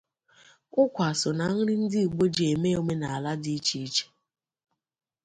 ụkwa so na nri ndị Igbo ji eme omenala dị iche iche